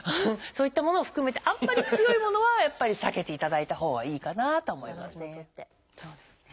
そういったものを含めてあんまり強いものはやっぱり避けていただいたほうがいいかなとは思いますね。